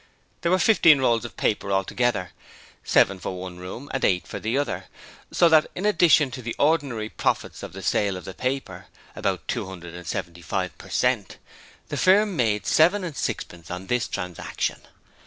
There were fifteen rolls of paper altogether seven for one room and eight for the other so that in addition to the ordinary profit on the sale of the paper about two hundred and seventy five per cent. the firm made seven and sixpence on this transaction.